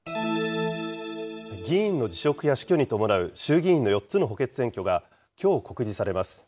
議員の辞職や死去に伴う衆議院の４つの補欠選挙がきょう告示されます。